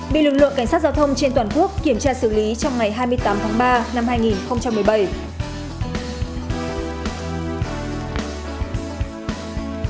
bị lực lượng cảnh sát giao thông trên toàn quốc kiểm tra xử lý trong ngày hai mươi tám tháng ba năm hai nghìn một mươi bảy